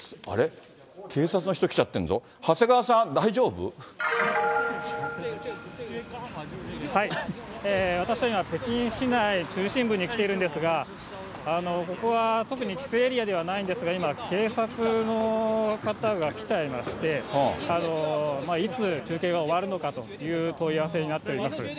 あれっ、警察の人、来ちゃってるぞ、長谷川さん、私は今、北京市内中心部に来ているんですが、ここは、特に規制エリアではないんですが、今、警察の方が来ちゃいまして、いつ中継が終わるのかという問い合わせになっています。